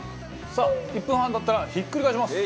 さあ１分半経ったらひっくり返します。